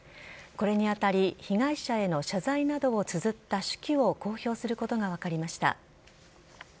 これに当たり被害者への謝罪などをつづった手記を公表することが分かりました。